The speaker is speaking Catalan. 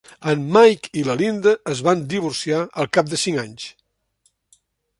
En Mike i la Linda es van divorciar al cap de cinc anys.